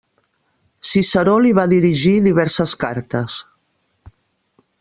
Ciceró li va dirigir diverses cartes.